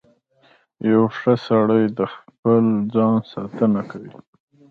• یو ښه سړی د خپل ځان ساتنه کوي.